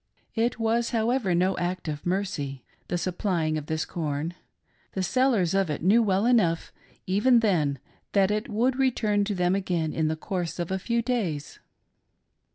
It was, however, no act of mercy — the supplying of this corn. The sellers of . it knew well enough even then that it would return to them again in the course of a few days.